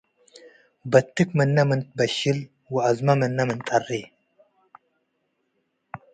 በትክ ምነ ምን ትበሽል ወአዝመ ምነ ምን ጠሬ